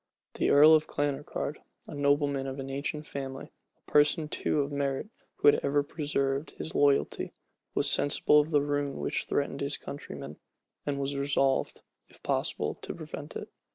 The earl of Clanricarde, a nobleman of an ancient family, a person too of merit, who had ever preserved his loyalty, was sensible of the ruin which threatened his countrymen, and was resolved, if possible, to prevent it.